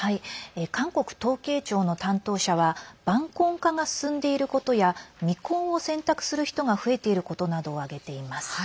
韓国統計庁の担当者は晩婚化が進んでいることや未婚を選択する人が増えていることなどを挙げています。